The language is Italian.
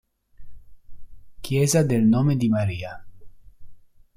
Chiesa del Nome di Maria